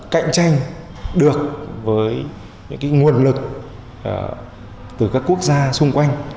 cạnh tranh được với những nguồn lực từ các quốc gia xung quanh